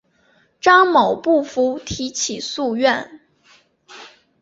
张某不服提起诉愿。